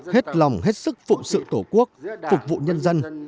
hết lòng hết sức phụng sự tổ quốc phục vụ nhân dân